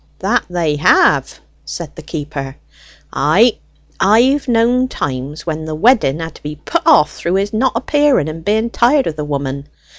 "That they have," said the keeper. "Ay; I've knowed times when the wedding had to be put off through his not appearing, being tired of the woman.